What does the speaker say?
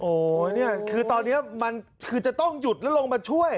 โอ้โหนี่คือตอนนี้มันคือจะต้องหยุดแล้วลงมาช่วย